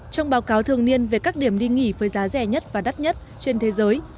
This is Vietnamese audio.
trong báo cáo thường niên về các điểm đi nghỉ với giá rẻ nhất và đắt nhất trên thế giới